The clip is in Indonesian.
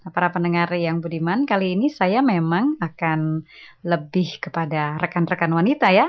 para pendengar yang budiman kali ini saya memang akan lebih kepada rekan rekan wanita ya